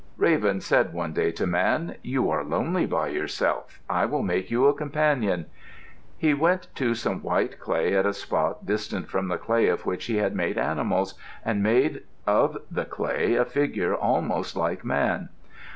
Raven said one day to Man, "You are lonely by yourself. I will make you a companion." He went to some white clay at a spot distant from the clay of which he had made animals, and made of the clay a figure almost like Man.